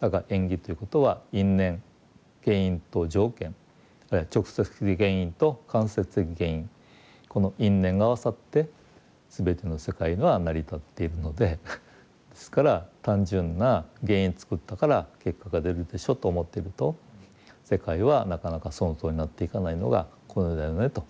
だから縁起ということは因縁原因と条件あるいは直接的原因と間接的原因この因縁が合わさって全ての世界が成り立っているのでですから単純な原因を作ったから結果が出るでしょと思ってると世界はなかなかそのとおりになっていかないのがこの世だよねと。